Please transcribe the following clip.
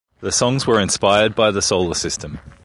The songs were inspired by the solar system.